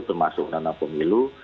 termasuk enam pemilu